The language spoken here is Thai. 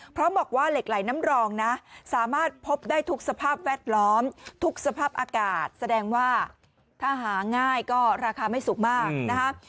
เพราะบอกว่าเหล็กไหลน้ำรองนะสามารถพบได้ทุกสภาพแวดล้อมทุกสภาพอากาศแสดงว่าถ้าหาง่ายก็ราคาไม่สูงมากนะฮะ